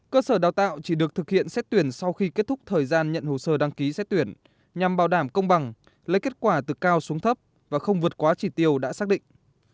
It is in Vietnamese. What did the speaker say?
cơ sở đào tạo chỉ được thực hiện xét tuyển sau khi kết thúc thời gian nhận hồ sơ đăng ký xét tuyển nhằm bảo đảm công bằng lấy kết quả từ cao xuống thấp và không vượt quá chỉ tiêu đã xác định